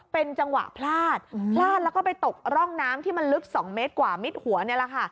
เป็นจังหวะพลาดพลาดแล้วก็ไปตกร่องน้ำที่มันลึก๒เมตรกว่ามิดหัวนี่แหละค่ะ